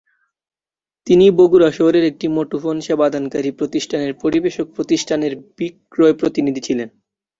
তিনি বগুড়া শহরের একটি মুঠোফোন সেবাদানকারী প্রতিষ্ঠানের পরিবেশক প্রতিষ্ঠানের বিক্রয় প্রতিনিধি ছিলেন।